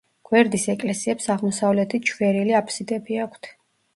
გვერდის ეკლესიებს აღმოსავლეთით შვერილი აფსიდები აქვთ.